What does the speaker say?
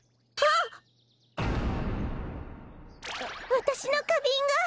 わたしのかびんが！